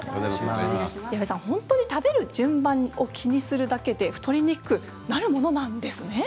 本当に食べる順番を気にするだけで太りにくくなるものなんですね。